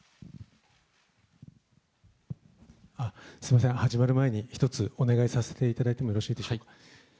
すみません、始まる前に１つ、お願いさせていただいてもよろしいでしょうか。